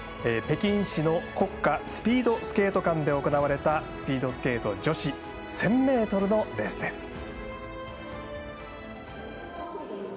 北京市の国家スピードスケート館で行われたスピードスケート女子１０００ｍのレースです。